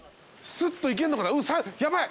スッと行けんのかな？